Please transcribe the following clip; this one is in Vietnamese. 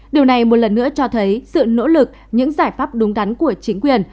điều này một lần nữa cho thấy sự nỗ lực những giải pháp đúng đắn của chính quyền